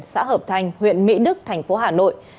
xã hợp thành huyện mỹ đức tp hà nội